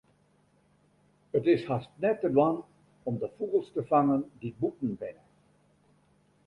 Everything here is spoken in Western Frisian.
It is hast net te dwaan om de fûgels te fangen dy't bûten binne.